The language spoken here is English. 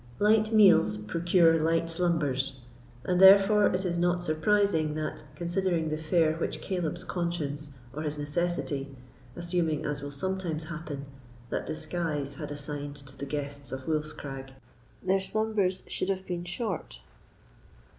Light meals procure light slumbers; and therefore it is not surprising that, considering the fare which Caleb's conscience, or his necessity, assuming, as will sometimes happen, that disguise, had assigned to the guests of Wolf's Crag, their slumbers should have been short.